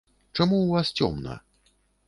Чаму ў вас цёмна?